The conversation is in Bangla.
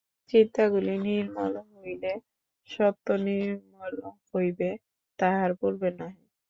চিন্তাগুলি নির্মল হইলে সত্ত্ব নির্মল হইবে, তাহার পূর্বে নহে।